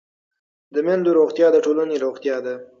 د میندو روغتیا د ټولنې روغتیا ده.